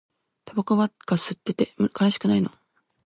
タバコばっか吸ってて悲しくないの